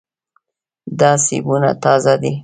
دا سیبونه تازه دي.